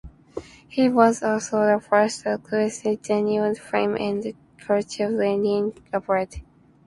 He was also the first acquire genuine fame and cultural renown abroad.